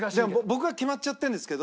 僕は決まっちゃってるんですけど。